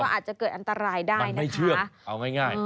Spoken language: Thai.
อาจจะเกิดอันตรายได้นะคะ